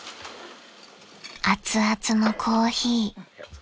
［熱々のコーヒー］